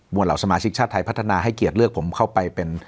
เหล่าสมาชิกชาติไทยพัฒนาให้เกียรติเลือกผมเข้าไปเป็น